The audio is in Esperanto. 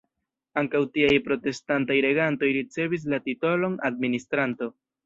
Ankaŭ tiaj protestantaj regantoj ricevis la titolon "administranto".